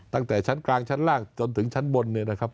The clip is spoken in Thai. ตั้งแต่ชั้นกลางชั้นล่างจนถึงชั้นบนเนี่ยนะครับ